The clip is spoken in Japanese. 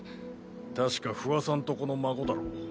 確か不破さんとこの孫だろ。